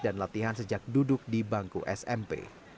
dan latihan sejak duduk di bangku smp